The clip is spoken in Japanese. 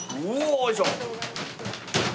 よいしょ！